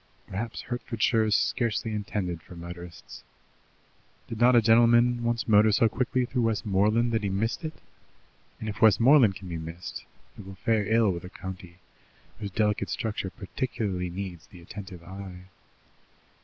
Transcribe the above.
Perhaps Hertfordshire is scarcely intended for motorists. Did not a gentleman once motor so quickly through Westmoreland that he missed it? and if Westmoreland can be missed, it will fare ill with a county whose delicate structure particularly needs the attentive eye.